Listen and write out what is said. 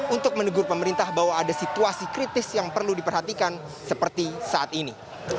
untuk menegur pemerintah bahwa ada situasi kritis yang perlu diperhatikan seperti saat ini